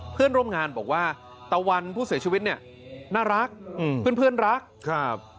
เพื่อนร่วมงานบอกว่าตะวันผู้เสียชีวิตเนี่ยน่ารักอืมเพื่อนเพื่อนรักครับ